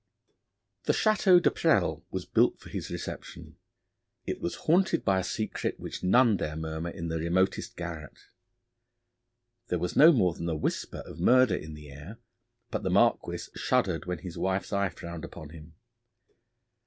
The Château de Presles was built for his reception. It was haunted by a secret, which none dare murmur in the remotest garret. There was no more than a whisper of murder in the air, but the Marquis shuddered when his wife's eye frowned upon him.